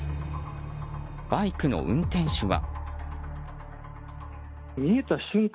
バイクの運転手は。